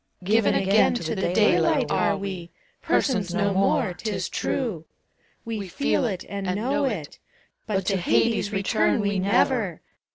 Given again to the daylight are we, Persons no more, 't is true, — We feel it and know it, — But to Hades return we never